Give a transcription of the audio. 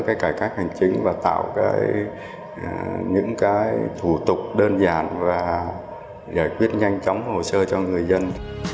cái cải cách hành chính và tạo những cái thủ tục đơn giản và giải quyết nhanh chóng hồ sơ cho người dân